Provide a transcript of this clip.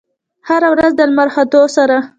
هره ورځ د لمر ختو سره